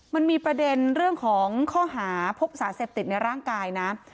มันมีประเด็นเรื่องของข้อหาพบสารเสพติดในร่างกายนะ